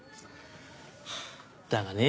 だがね